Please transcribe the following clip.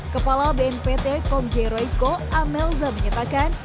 kepala bnpt kom jeroiko amelza menyatakan